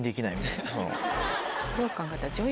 よう考えたら。